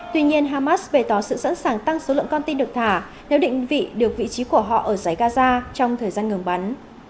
tuy nhiên hamas bề tỏ sự sẵn sàng tăng số lượng con tin được thả nếu định vị được vị trí của họ ở giải gaza trong thời gian ngừng bắn